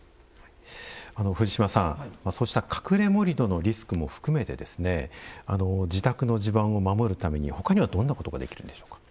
藤島さん「隠れ盛土」のリスクも含めて自宅の地盤を守るために他にはどんなことができるんでしょうか？